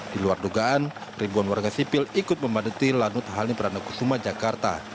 di luar dugaan ribuan warga sipil ikut memadati lanut halim perdana kusuma jakarta